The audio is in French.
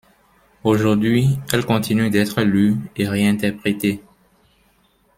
Aujourd'hui elle continue d'être lue et réinterprétée.